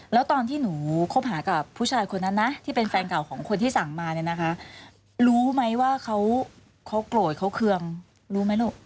แล้วตอนที่หนูคบหากับผู้ชายคนนั้นนะที่เป็นแฟนเก่าของคนที่สั่งมาเนี่ยนะคะรู้ไหมว่าเขาโกรธเขาเคืองรู้ไหมลูก